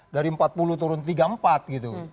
dari empat puluh turun tiga empat gitu